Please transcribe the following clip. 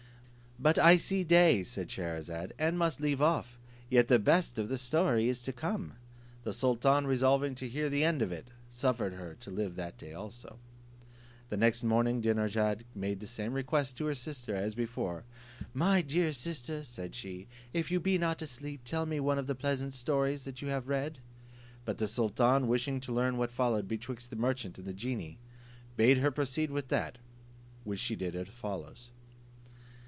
"But I see day," said Scheherazade, "and must leave off; yet the best of the story is to come." The sultan resolving to hear the end of it, suffered her to live that day also. The next morning Dinarzade made the same request to her sister as before: "My dear sister," said she, "if you be not asleep, tell me one of those pleasant stories that you have read." But the sultan, wishing to learn what followed betwixt the merchant and the genie, bade her proceed with that, which she did as follows.